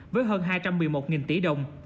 với hơn hai trăm một mươi một tỷ đồng